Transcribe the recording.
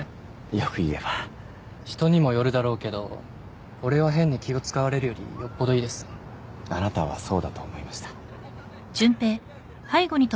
良く言えば人にもよるだろうけど俺は変に気を遣われるよりよっぽどいいですあなたはそうだと思いました